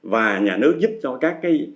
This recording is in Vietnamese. và nhà nước giúp cho các cái